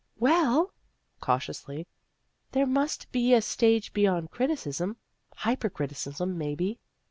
" Well " cautiously " there must be a stage beyond criticism hypercriticism, maybe.